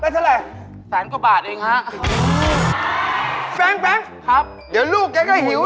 ได้เท่าไร